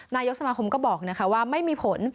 นายกสมาคมก็บอกว่าไม่มีผล